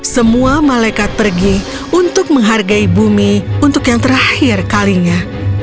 semua malaikat pergi untuk menghargai bumi untuk yang terakhir kalinya